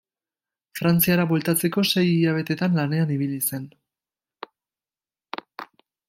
Frantziara bueltatzeko sei hilabetetan lanean ibili zen.